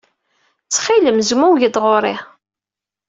Ttxil-m, zmumeg-d ɣer-i.